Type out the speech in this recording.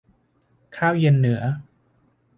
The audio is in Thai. ข้าวเย็นเหนือ